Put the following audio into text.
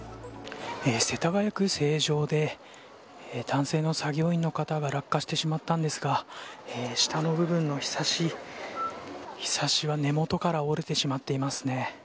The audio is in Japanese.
世田谷区成城で男性の作業員の方が落下してしまったんですが下の部分のひさしひさしは根本から折れてしまっていますね。